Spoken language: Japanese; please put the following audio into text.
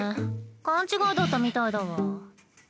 勘違いだったみたいだわ。